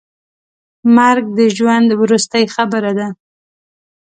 مرګ د ژوند وروستۍ خبره ده.